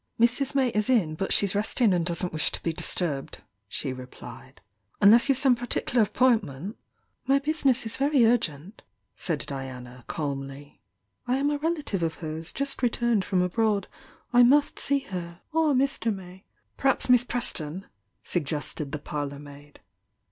"Mrs. May is in, but she's resting and doesn't wish to be disturbed," she replied — "Unless you've some pertikler appointment ——" "My business is very urgent," said Diana, cahnly. "I am a relative of hers, just returned from abroad. I must see her — or Mr. May " "Perhaps Miss Preston " suggested the par lour maid.